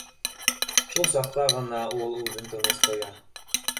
Шул саҡта ғына ул үҙен тыныс тоя